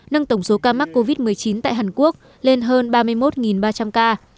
nâng tổng số ca mắc covid một mươi chín tại hàn quốc lên hơn ba mươi một ba trăm linh ca